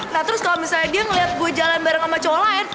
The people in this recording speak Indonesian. nah terus kalau misalnya dia ngeliat gue jalan bareng sama cowok lain